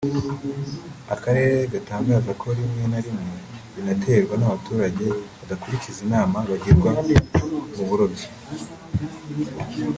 Akarere gatangaza ko rimwe na rimwe binaterwa n’abaturage badakurikiza inama bagirwa mu burobyi